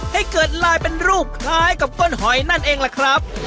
ให้เกิดลายเป็นรูปคล้ายกับก้นหอยนั่นเองล่ะครับ